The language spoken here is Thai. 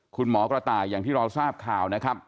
คุณหมอกระต่ายอย่างที่เราทราบข่าวนะครับ